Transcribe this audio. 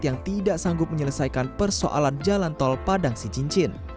yang tidak sanggup menyelesaikan persoalan jalan tol padang sicincin